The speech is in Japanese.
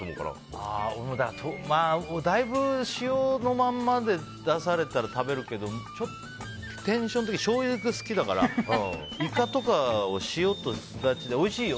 だいぶ塩のままで出されたら食べるけどしょうゆが好きだからイカとかを塩とスダチでおいしいよ